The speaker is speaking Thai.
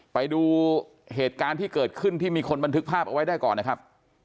ไปดูเหตุการณ์ที่เกิดขึ้นที่มีคนบันทึกภาพเอาไว้ได้ก่อนนะครับ